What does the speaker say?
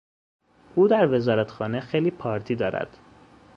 او در وزارتخانه خیلی پارتی دارد.